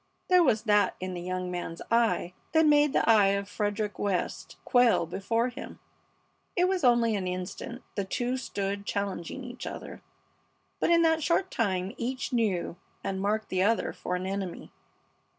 There was that in the young man's eye that made the eye of Frederick West quail before him. It was only an instant the two stood challenging each other, but in that short time each knew and marked the other for an enemy.